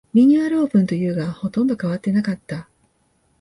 リニューアルオープンというが、ほとんど変わってなかった